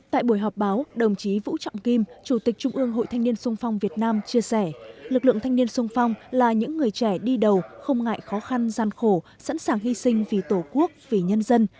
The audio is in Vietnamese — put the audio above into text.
tại buổi họp báo đồng chí vũ trọng kim chủ tịch trung ương hội thanh niên sung phong việt nam chia sẻ lực lượng thanh niên sung phong là những người trẻ đi đầu không ngại khó khăn gian khổ sẵn sàng hy sinh vì tổ quốc vì nhân dân